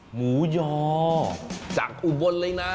หมูยอจากอุบลเลยนะ